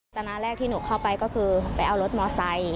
จากนั้นที่หนูเข้าไปก็คือไปเอารถมอเตอร์ไซค์